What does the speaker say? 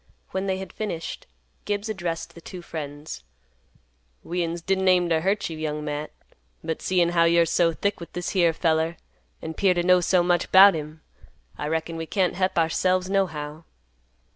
When they had finished, Gibbs addressed the two friends; "We'uns didn't aim to hurt you, Young Matt, but seein' how you're so thick with this here feller, an' 'pear to know so much 'bout him, I reckon we can't hep ourselves nohow."